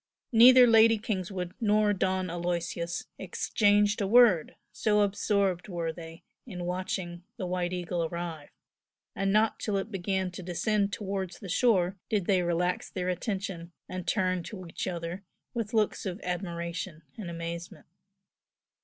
Neither Lady Kingswood nor Don Aloysius exchanged a word, so absorbed were they in watching the "White Eagle" arrive, and not till it began to descend towards the shore did they relax their attention and turn to each other with looks of admiration and amazement.